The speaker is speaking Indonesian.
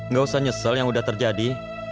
gak usah nyesel yang udah terjadi